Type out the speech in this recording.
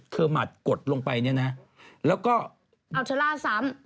เทอร์มาสกดลงไปเนี้ยนะแล้วก็อัลชาร่าซ้ำ